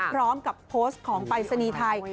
พร้อมกับโพสต์ของปรายศนีย์ไทย